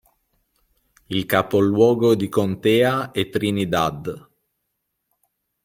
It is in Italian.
Il capoluogo di contea è Trinidad.